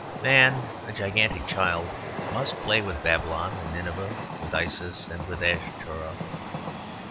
Man, a gigantic child, must play with Babylon and Nineveh, with Isis and with Ashtaroth.